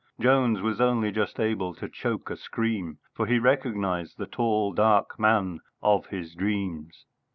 Jones was only just able to choke a scream, for he recognised the tall dark man of his dreams.